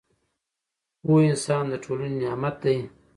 پوه انسان د ټولنې نعمت دی